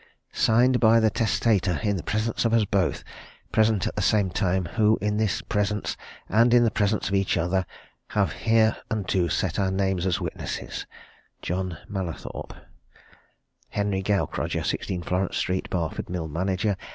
Signed by the testator in the presence of us both present at the same time who in his presence } JOHN MALLATHORPE and in the presence of each other have hereunto set our names as witnesses. HENRY GAUKRODGER, 16, Florence Street, Barford, Mill Manager.